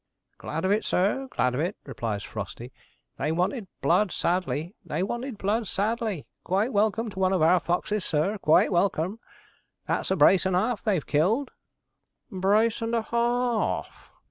'Glad of it, sir glad of it, sir,' replies Frosty. 'They wanted blood sadly they wanted blood sadly. Quite welcome to one of our foxes, sir quite welcome. That's a brace and a 'alf they've killed.' 'Brace and a ha r r f!'